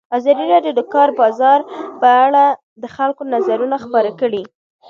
ازادي راډیو د د کار بازار په اړه د خلکو نظرونه خپاره کړي.